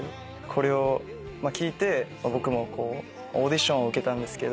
これを聴いて僕もオーディションを受けたんですけど。